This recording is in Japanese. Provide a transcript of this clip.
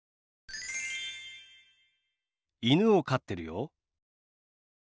犬を飼ってるよ。